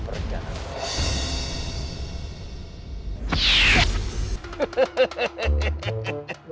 apa rencana pak kiai